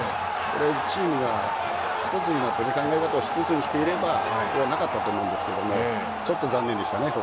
チームが１つになって考え方を１つにしていればこれはなかったと思うんですがちょっと残念でしたね。